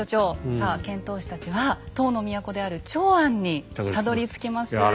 さあ遣唐使たちは唐の都である長安にたどりつきます。